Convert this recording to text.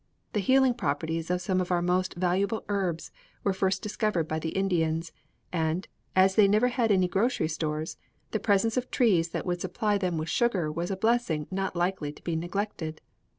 The healing properties of some of our most valuable herbs were first discovered by the Indians, and, as they never had any grocery stores, the presence of trees that would supply them with sugar was a blessing not likely to be neglected.